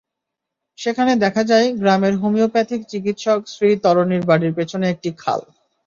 সেখানে দেখা যায়, গ্রামের হোমিওপ্যাথিক চিকিৎসক শ্রী তরণির বাড়ির পেছনে একটি খাল।